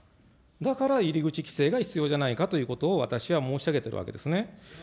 だから入り口規制が必要じゃないかということを私は申し上げているわけですね。